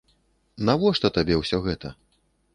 Навошта табе ўсё гэта?